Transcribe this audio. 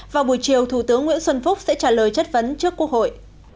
vào buổi chiều thủ tướng nguyễn xuân phúc sẽ trả lời chất vấn trước quốc hội